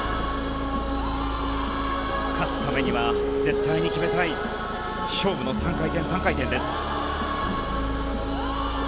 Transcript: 勝つためには絶対に決めたい勝負の３回転３回転です。